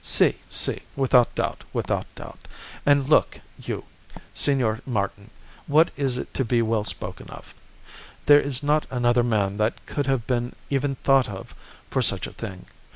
'Si, si, without doubt, without doubt; and, look you, Senor Martin, what it is to be well spoken of! There is not another man that could have been even thought of for such a thing.